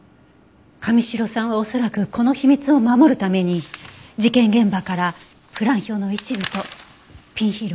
神城さんは恐らくこの秘密を守るために事件現場からプラン表の一部とピンヒールを持ち去ったのね。